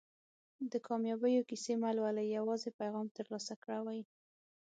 د کامیابیونې کیسې مه لولئ یوازې پیغام ترلاسه کوئ.